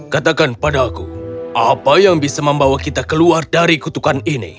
katakan padaku apa yang bisa membawa kita keluar dari kutukan ini